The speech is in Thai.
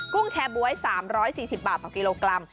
ุ้งแชร์บ๊วย๓๔๐บาทต่อกิโลกรัม